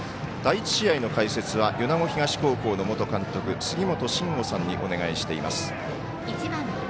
第１試合の解説は米子東高校の元監督、杉本真吾さんにお願いしています。